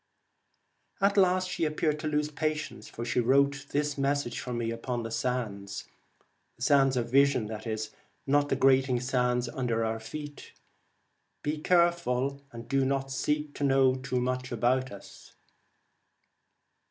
At last she appeared to lose patience, for she wrote this message for me upon the sands — the sands of vision, not the grating sands under our feet —' Be careful, and do not seek to know too much about us.'